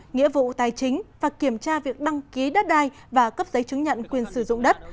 nghĩa vụ tài chính và kiểm tra việc đăng ký đất đai và cấp giấy chứng nhận quyền sử dụng đất